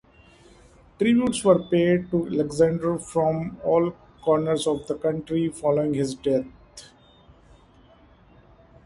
Tributes were paid to Alexander from all corners of the country following his death.